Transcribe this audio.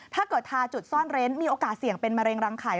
ถ้าเกิดทาจุดซ่อนเร้นมีโอกาสเสี่ยงเป็นมะเร็งรังไข่